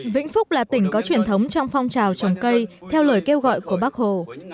vĩnh phúc là tỉnh có truyền thống trong phong trào trồng cây theo lời kêu gọi của bác hồ